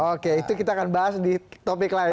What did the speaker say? oke itu kita akan bahas di topik lain